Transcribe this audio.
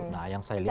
nah yang saya lihat